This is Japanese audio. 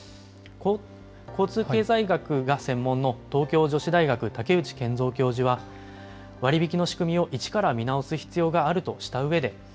交通経済学が専門の東京女子大学、竹内健蔵教授は、割引の仕組みを一から見直す必要があるとしたうえで。